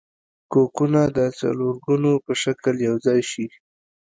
کوکونه د څلورګونو په شکل یوځای شي.